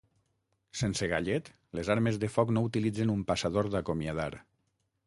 Sense gallet Les armes de foc no utilitzen un passador d'acomiadar.